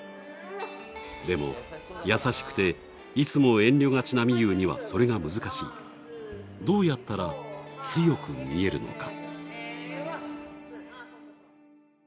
でも、優しくていつも遠慮がちなみゆうには、それが難しいどうやったら強く見えるのか。